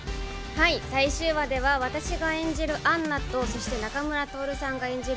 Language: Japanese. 最終話では、私が演じるアンナと、仲村トオルさんが演じる